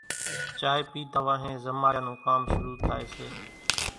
چائيَ پيڌا وانۿين زماڙِيا نون ڪام شرُو ٿائيَ سي۔